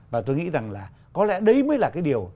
và tôi nghĩ rằng là có lẽ đấy mới là cái điều